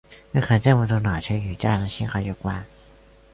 为何这么多脑区与价值信号有关。